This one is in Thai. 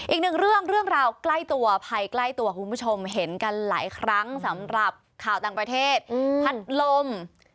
อีกหนึ่งเรื่องเรื่องราวใกล้ตัวภัยใกล้ตัวคุณผู้ชมเห็นกันหลายครั้งสำหรับข่าวต่างประเทศพัดลม